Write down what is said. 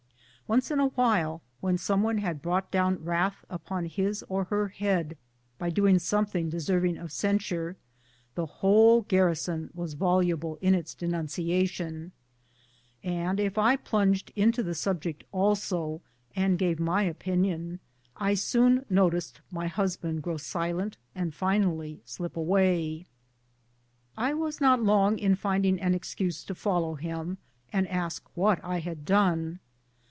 Once in a while, when some one had brought down wrath upon his or her head by doing something deserving of censure, the whole garrison was voluble in its denunciation ; and if I plunged into the subject also and gave my opinion, I soon noticed my husband grow silent and finally slip away. I was not lono^ in findinor an excuse to follow him and ask what I had done.